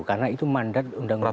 karena itu mandat undang undang